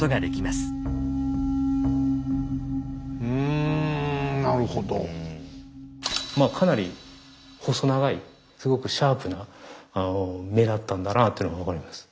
まあかなり細長いすごくシャープな目だったんだなあっていうのが分かります。